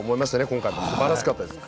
今回もすばらしかったです。